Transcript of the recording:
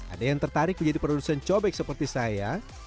ada yang tertarik menjadi produsen cobek seperti saya